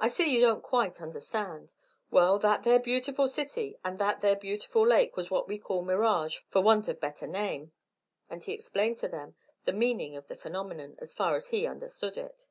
I see you don't quite understand. Well, that there beautiful city and that there beautiful lake was what we call mirage for want of better name!" And he explained to them the meaning of the phenomenon, as far as he understood it.